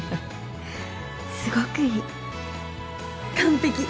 すごくいい完璧